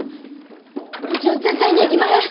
うちは絶対に行きまへん！